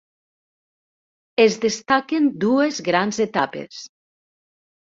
Es destaquen dues grans etapes.